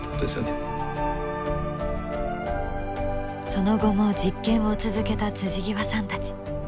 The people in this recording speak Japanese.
その後も実験を続けた極さんたち。